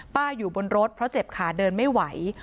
อยู่บนรถเพราะเจ็บขาเดินไม่ไหว